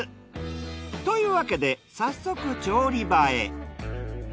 というわけで早速調理場へ。